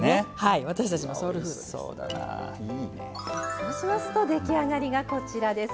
そうしますと出来上がりがこちらです。